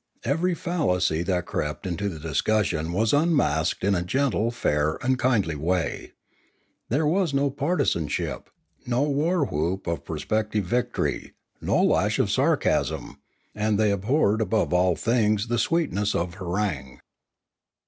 Every fal lacy that crept into the discussion was unmasked in a gentle, fair, and kindly way. There was no partisan ship, no war whoop of prospective victory, no lash of sarcasm, and they abhorred above all things the sweet ness of harangue.